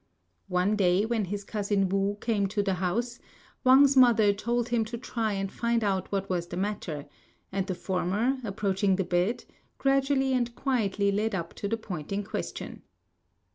One day when his cousin Wu came to the house, Wang's mother told him to try and find out what was the matter; and the former, approaching the bed, gradually and quietly led up to the point in question.